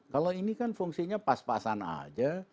kalau ini kan fungsinya pas pasan aja